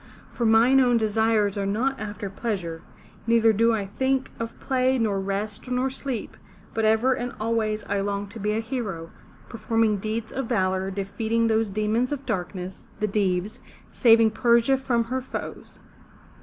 For mine own desires are not after pleasure; neither do I think of play nor rest nor sleep, but ever and always I long to be a hero, performing deeds of valor, defeat ing those demons of darkness, the Deevs, saving Persia from her foes.